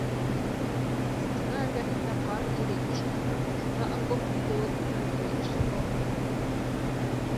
Стена эргәһендә ҡар ирей төшкән, шунда окоп кеүек бер буй эшләп алдым.